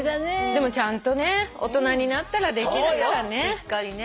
でもちゃんとね大人になったらできるからね。